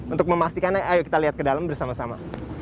untuk memastikannya ayo kita lihat ke dalam bersama sama